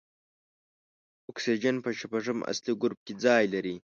اکسیجن په شپږم اصلي ګروپ کې ځای لري.